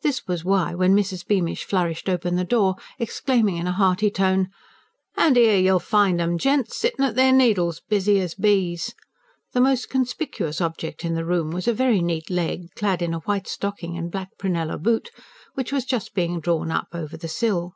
This was why, when Mrs. Beamish flourished open the door, exclaiming in a hearty tone: "An' 'ere you'll find 'em, gents sittin' at their needles, busy as bees!" the most conspicuous object in the room was a very neat leg, clad in a white stocking and black prunella boot, which was just being drawn up over the sill.